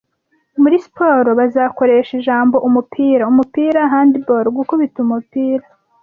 Muri siporo bazakoresha ijambo umupira umupira Handball - gukubita umupira